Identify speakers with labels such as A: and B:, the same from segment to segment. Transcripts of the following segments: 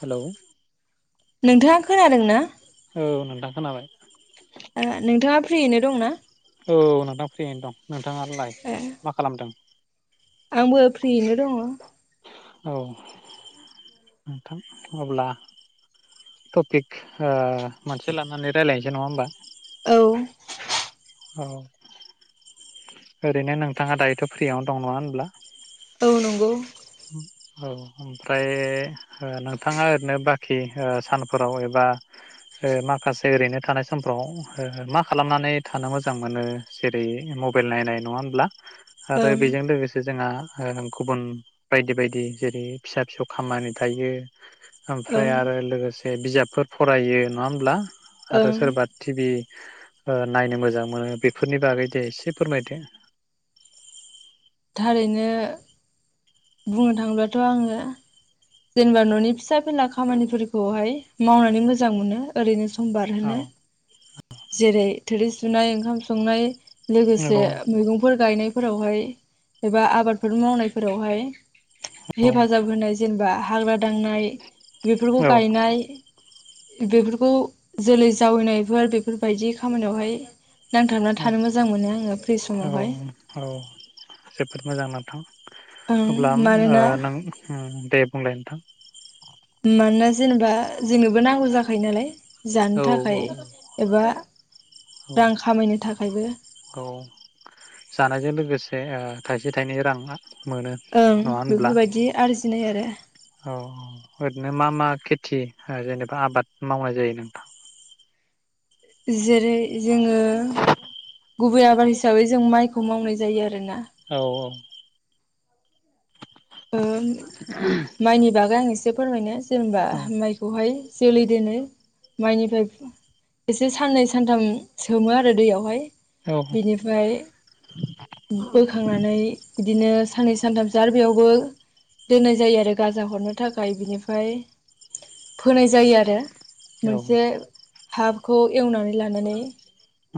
A: Hello
B: नोंथाङा खोनादों ना?
A: औ नोंथां खोनाबाय।
B: नोंथाङा फ्रियैनो दंना?
A: औ नोंथां फ्रियैनो दं। नोंथाङालाय
B: ओ
A: मा खालामदों?
B: आंबो फ्रियैनो दङ।
A: औ नोंथां अब्ला टपिक ओ मोनसे लानानै रायजलायनोसै नङा होमबा?
B: औ
A: औ ओरैनो नोंथाङा दायोथ फ्रियावनो दं नङा होनब्ला?
B: औ नंगौ
A: औ ओमफ्राय नोंथाङा ओरैनो बाखि सानफोराव एबा माखासे ओरैनो थानाय समफ्राव मा खालामनानै थानो मोजां मोनो जेरै मबाइल नायनाय नङा होमब्ला? आरो
B: ओं
A: बेजों लोगोसे जोंहा ओ गुबुन बायदि बायदि जेरै फिसा फिसौ खामानि थायो
B: ओं
A: ओमफ्राय आरो लोगोसे ए बिजाबफोर फरायो नङा होमब्ला
B: ओं
A: आरो सोर बा थिबि नायनो मोजां मोनो बेफोरनि बागै दे एसे फोरमायदो।
B: थारैनो बुंनो थाङोब्लाथ' आङो जेनेबा न'नि फिसा फिला खामानिफोरखौहाय मावनानै मोजां मोनो ओरैनो।। सम
A: औ
B: बारहोनो जेरै थोरि सुनाय ओंखाम संनाय लोगोसे
A: नंगौ
B: मैगंफोर गायनाय फोरावहाय एबा आबादफोर मावनायफोरावहाय
A: औ
B: हेफाजाब होनाय जायो जेनेबा हाग्रा दांनाय बेफोरखौ
A: औ
B: गायनाय बेफोरखौ जोलै जावैनायफोर बेफोरबायदि खामानियावहाय। नांथाबना थानो मोजां मोनो आङो फ्रि
A: औ औ
B: समावहाय
A: औ जोबोद मोजां नोंथां
B: ओं
A: अब्ला ओ
B: मानोना
A: नों दे बुंलाय नोंथां।
B: मानोना जेनेबा जोंनोबो नांगौ जाखायो नालाय। जानो
A: औ औ
B: थाखाय एबा
A: औ
B: रां खामायनो थाखायबो।
A: औ जानायजों लोगोसे ओ थाइसे थाइनै राङा
B: ओं बेफोरबायदि आरो। दिनो आरो
A: औ औ ओरैनो मा मा खेथि जेनेबा आबाद मावनाय जायो नोंथां।
B: जेरै। जोङो गुबै आबाद हिसाबै जों माइखौ मावनाय जायो आरोना।
A: औ औ
B: ओ माइनि बागै आं एसे से फोरमायनो जेनेबा
A: औ
B: माइखौहाय जोलै दोनो माइनिफ्राय एसे साननै सानथाम सोमो आरो दैयावहाय
A: औ
B: बिनिफ्राय बोखांनानै इदिनो साननै सानथामसो आरो बेयावबो दोननाय जायो आरो गाजा हरनो थाखाय बिनिफ्राय फोनाय जायो आरो
A: औ औ
B: मोनसे हाखौ एवनानै लानानै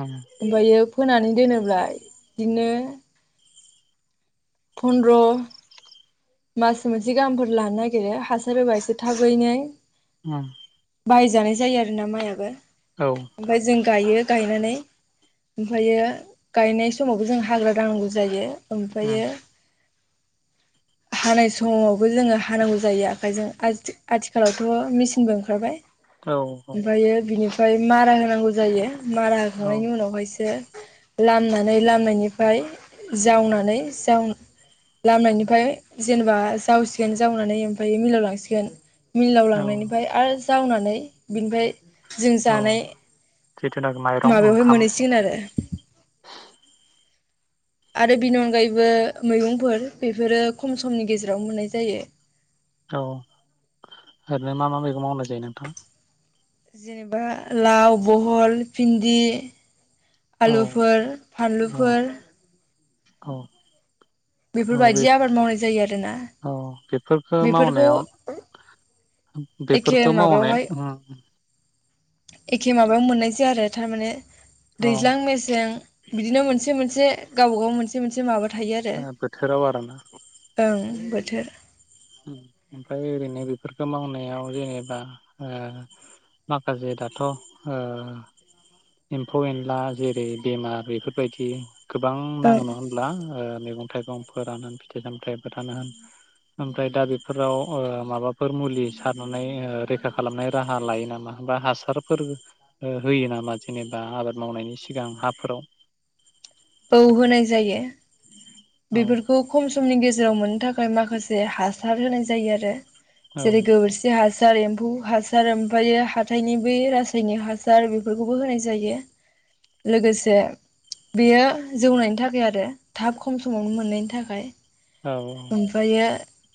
A: उम
B: ओमफायो फोनानै दोनोब्ला इदिनो फनद्र' मास मोनसे गाहामफोर लानो नागिरो हासार होबा एसे थाबैनो
A: ओम
B: बाहायजानाय जायो आरोना माइआबो
A: उम
B: ओमफाय जों गायो गायनानै ओमफ्रायो गायनाय समावबो जों हाग्रा दानांगौ जायो ओमफायो हानाय समावबो जोङो हानांगौ जायो आखायजों आथिखालावथ' मेचिनबो ओंखारबाय
A: औ
B: ओमफायो बिनि फाय मारा नांगौ जायो मारा
A: औ
B: होाखांनायनि उनावहायसो लामनानै लामनिफ्राय जावनानै जाव लामनायनिफ्राय जेनेबा जावसिगोन जावनानै ओमफ्रायो मिलावलांसिगोन मिलाव
A: औ
B: लांनायनिफ्राय आरो जावनानै बिनिफ्राय जों
A: औ
B: जानाय
A: जिथुनाखि माइरं
B: माबायावहाय
A: ओंखाम
B: मोनहैसिगोन आरो आरो बिनि अनगायैबो मैगंफोर बेफोरो खम समनि गेजेराव मोननाय जायो
A: औ ओरैनो मा मा मैगं मावनाय जायो नोंथां
B: जेनेबा लाव बहल भिन्दि
A: औ
B: आलुफोर
A: औ
B: फानलुफोर
A: औ औ बे
B: बेफोरबायदि आबाद मावनाय जायो आरोना
A: औ बेफोरखौ मावनायाव उम
B: एखे
A: बेफोरखो मावनाय
B: माबायावहाय
A: ओम
B: एखे माबायाव मोननाय जाया आरो थारमाने
A: औ
B: दैज्लां मेसें बिदिनो मोनसे मोनसे गावबा गाव मोनसे मोनसे माबा थायो आरो
A: बोथोराव आरोना
B: ओं बोथो बोथोर
A: ओम ओमफाय ओरैनो ओ बेफोरखौ मावनायाव जेनेबा ओ माखासे दाथ' ओ एम्फौ एनला जेरै बेमार बेफोरबायदि गोबां
B: ओं
A: नाङो नङा होनब्ला मैगं थाइगं फोरानो होन फिथाइ सामथाय फोरानो होन ओमफ्राय दा बेफोराव माबाफोर मुलि सारनानै रैखा खालामनाय राहा लायो नामा होनबा हासार फोर होयो नामा जेनेबा आबाद मावनायनि सिगां हा फोराव
B: औ होनाय जायो।
A: औ
B: बेफोरखौ खम समनि गेजेराव मोन थाखाय माखासे हासार होनाय जायो। जायो आरो। जेरै गोबोरखि हासा हासार एम्फौ हासार ओमफायो हाथायनि बे रासायनिक हासार बेफोरखौबो होनाय जायो लोगोसे बेयो जौनायनि थाखाय आरो थाब खम समावनो मोननायनि थाखाय।
A: औ
B: ओमफायो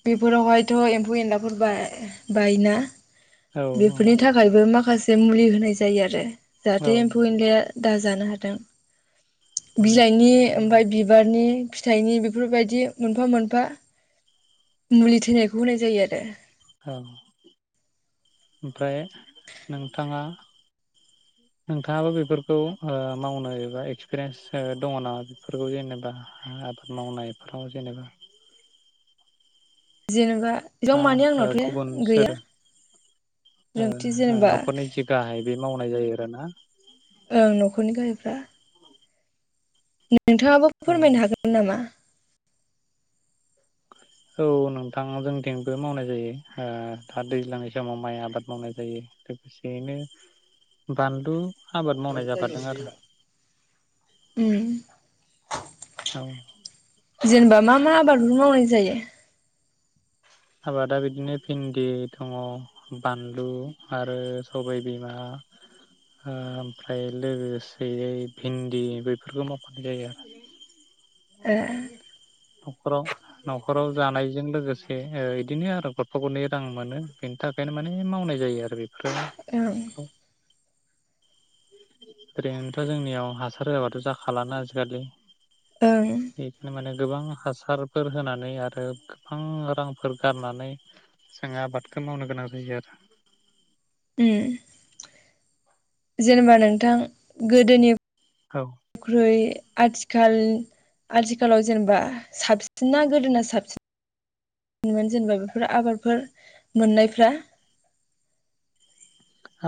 B: बेफोरावहायथ' एम्फौ एनलाफोर बा बायोना
A: औ
B: बेफोरनि थाखायबो माखासे जे मुलि होनाय जायो आरो
A: औ
B: जाहाथे एम्फौ एनलाया दा जानो हादों बिलाइनि
A: औ
B: ओमफाय बिबारनि फिथाइनि बेफोरबायदि मोनफा मोन फा मुलि थैनायखौ होनाय जायो आरो
A: औ ओमफ्राय नोंथाङा नोंथाङाबो बेफोरखौ ओ मावनो एबा एक्सपिरियेन्स दङ नामा बेफोरखौ जेनेबा आबाद मावनायफोराव जेनेबा
B: जेनेबा एसेबां
A: ना
B: मानि आंनावथ'
A: गुबुन सोर
B: गैया
A: ओ
B: रोंथि जेनेबा
A: न'खरनि जि गाहाय बे मावनाय लामनाय जायो रा ना
B: ओं न'खरनि गाहायफ्रा नोंथाङाबो
A: औ
B: फोरमायनो हागोन नामा?
A: औ नोंथां जों थिंबो मावनाय जायो दा दैज्लांनि समाव माइ आबाद मावनाय जायो लोगोसेयैनो बानलु आबाद मावनाय जाफादों आरो
B: [unintelligible] उम
A: औ
B: जेनेबा मा मा आबाद मावनाय जायो
A: आबादा बिदिनो भिन्दि दङ बानलु आरो सबाय बिमा ओमफ्राय लोगोसेयै भिन्दि बेफोरखौ मावफानाय जायो आरो
B: ए
A: [inaudible] नखराव न'खराव जानायजों लोगोसे इदिनो आरो गरफा गरनै रां मोनो बेनि थाखायनो माने मावनाय जायो आरो बेखौ खोआ
B: ओं
A: खौ ओरैनोथ' जोंनियाव हासार होआाबाथ' जाखालाना आजिखालि
B: ओं
A: बेखायनो माने गोबां हासारफोर होनानै आरो गोबां रांफोर गारनानै जोङो आबादखौ मावनो गोनां जायो आरो।
B: उम जेनेबा नोंथां गोदोनि
A: आरो औ
B: ख्रुइ आथिखाल आथिखालाव जेनेबा साबसिना गोदोना साबसिनोन जेनेबा बेफोर आबादफोर मोननायफ्रा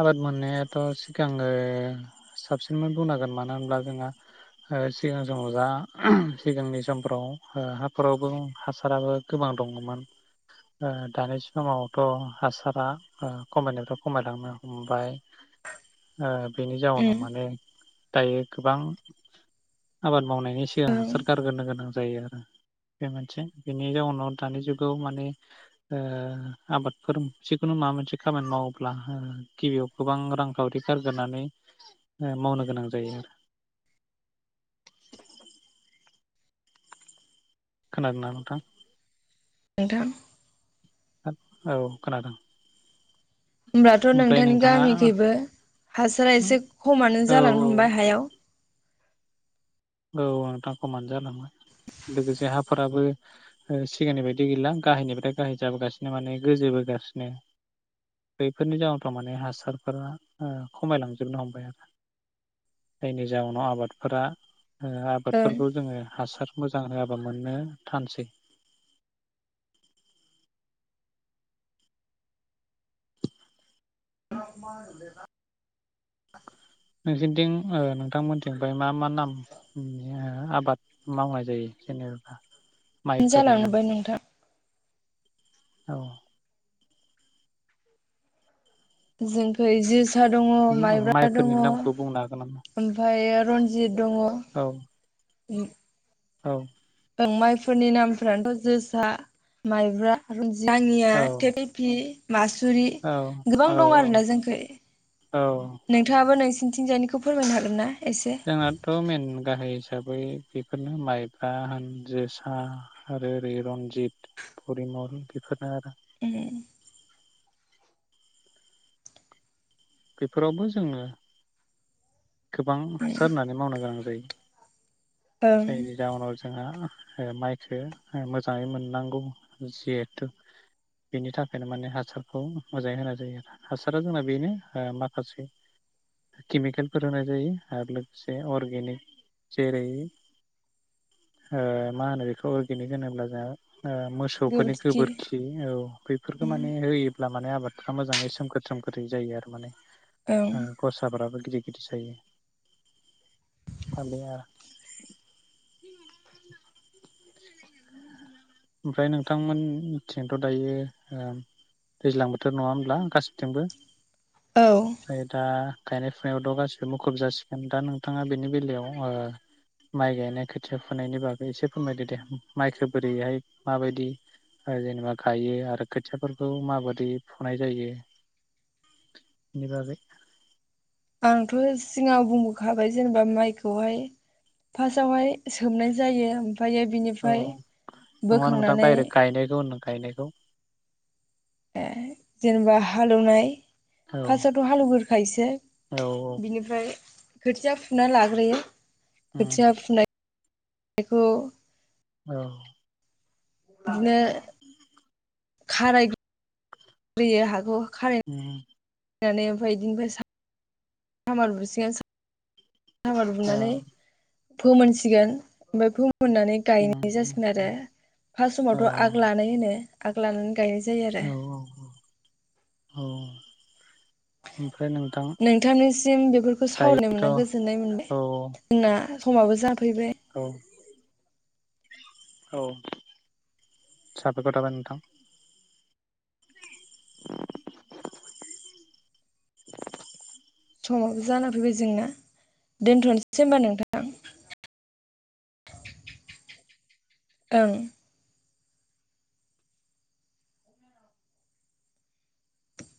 A: आबाद मोननायाथ' सिगाङो साबसिनमोन बुंनांगोन मानो होनब्ला जोंहा सिगां समाव जा सिगांनि समफ्राव हाफोररावबो हासाराबो गोबां दङमोन दानि समावथ' हासारा खमायनायफ खमायलांनो ओमफाय ओ बेनि जाउनाव
B: उम
A: माने दायो गोबां आबाद मावनायनि सिगां
B: ओं
A: हासार गोनो गोनां जायो आरो बे मोनसे बेनि जाउनाव दानि जुगाव माने आबादफोर ओ जिखुनु माबा मोनसे खामानि मावोब्ला ओ‌ गिबियाव गोबां रांखावरि गारग्रोनानै मावनो गोनां जायो आरो। खोनादोंना नोंथां?
B: नोंथां।
A: औ खोनादों।
B: होमब्लाथ'
A: ओमफ्राय
B: नोंथांनि
A: नोंथाङा औ
B: गामिखैबो हासारा एसे खमानो
A: औ
B: जालांनो हमबाय हायाव।
A: औ नोंथां खमानो जालांबाय लोगोसे हाफोराबो सिगांनि बायदि गैला गाहायनिफ्राय गाहाय जाबोगासिनो माने गोजोबोगासिनो बैफोरनि जाउनावथ' माने हासारफोरा खमायलांजोबनो हमबाय आरो जायनि जाउनाव आबादफोरा ओ
B: ओं
A: आबादफोरखौ जोङो हासार मोजां होआबा मोननो थानसै
B: [unintelligible]
A: नोंसोरनिथिं ओ नोंथांमोनथथिं फ्राय मा मा ओ आबाद आबाद मावनाय जायो जेनेबा माइफोरनि नाम
B: जालांबाय नोंथां।
A: औ
B: जों [unintelligible] सा दङ माइब्रा दङ
A: माइफोरनि नामखौ बुंनो हागोन नामा?
B: ओमफ्रायायो रन्जित दङ
A: औ
B: [unintelligible]
A: औ
B: माइफोरनि नामफोरानोथ' जोसा माइब्रा आरो। दाङिया
A: औ
B: [unintelligible] मासुरि
A: औ
B: गोबां
A: औ
B: दं आरोना जोंखौ
A: औ
B: नोंथाङाबो नोंसि सिनथिंजानायखौ फोरमायनो हागोन ना? एसे
A: जोंनाथ' मेन गाहाय हिसाबै बेफोरनो माइब्रा होनजोसा आरो ओरै रन्जित परिमल बेफोरनो आरो
B: ए
A: बेफोरावबो जोङो। गोबां हासार होननानै मावनो गोनां‌ जायो।
B: ओं
A: दैै [unintelligible] माइखो मोजाङै मोननांगौ जिहेथु बेनि थाखायनो माने हासारखौ मोजाङै होनाय जायो आरो हासारा जोंना बेनो ओ माखासे केमिकेलफोर होनाय जायो आरो लोगोसे अर्गेनिक जेरै ओ मा होनो बेखौ अर्गेनिक होनोब्ला जोंहा ओ मोसौफोरनि गोबोरखि औ बेफोरखो माने होयोब्ला माने आबादफ्रा मोजाङै सोमखोर सोमखोरै जायो आरो माने ओं गसाफोराबो गिदिर गिदिर सायो आरोया ओमफ्राय नोंथांमोनथिंथ' दायो दैज्लां बोथोर नङा होमब्ला गासैथिंबो
B: औ
A: दा गायनाय फुनायावथ' गासिबो मुखुब जासिगोन दा नोंथाङा बेनि बेलायाव माइ गायनाय खोथिया फुयनायनि बागै एसे फोरमायदो दे माइखो बोरैहाय माबायदि जेनेबा गायो आरो खोथियाफोरखौ माबादि फुनाय जायो बेनि बागै
B: आंथ' सिगां बुंबोखाबाय जेनेबा माइखौहाय फासावहाय सोमनाय जायो ओमफ्रायो
A: औ
B: बिनिफ्राय
A: नङा नोंथां
B: बोखांनानै
A: दायरेक गायनाय गायनायखौ
B: ए जेनेबा हालौनाय
A: औ
B: फासावथ' हालौवगोरखायोसो
A: औ औ
B: बिनिफ्राय खोथिया फुना लाग्रोयो
A: उम
B: खोथिया फुनाय बेखौ
A: औ
B: बिदिनो खाराय ग्रोयो हाखौ
A: उम
B: यनानै ओमफ्राय बिदिनिफ्राय सामार बुसिगोन सामार
A: औ
B: बुनानै फोमोन मोनसिगोन ओमफाय फो मोननानै
A: उम
B: गायनाय जासिगोन आरो
A: उम
B: फास
A: औ
B: समावथ' आग लानाय होनो आग लानानै गायनाय जायो आरो
A: औ औ औ औ
B: नोंथांनिसिम बेफोरखौ सावरायनाय
A: दायोथ'
B: मोना गोजोननाय मोनबाय
A: औ
B: जोंना समाबो जाब फैबाय
A: औ औ साबायखर थाबाय नोंथां [inaudible]
B: समाबो जाना फैबाय जोंना दोनथ'नोसैसै होमबा नोंथां ओं